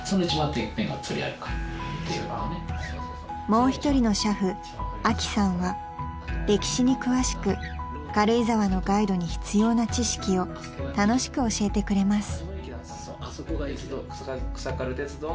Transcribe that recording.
［もう一人の俥夫アキさんは歴史に詳しく軽井沢のガイドに必要な知識を楽しく教えてくれます］